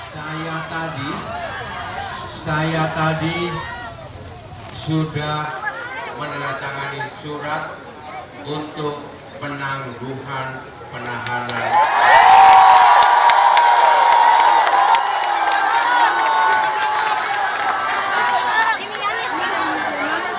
saya tadi saya tadi sudah menandatangani surat untuk penangguhan penahanan